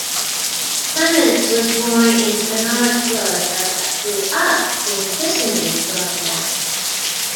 Clements was born in Kinard, Florida, but grew up in Kissimmee, Florida.